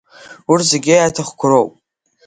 Урҭ зегьы иаҭахқәоу роуп.